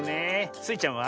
スイちゃんは？